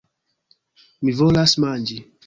Mi volas manĝi.